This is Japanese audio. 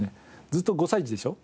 ずっと５歳児でしょ。